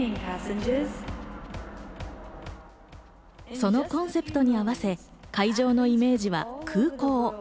そのコンセプトに合わせ、会場のイメージは空港。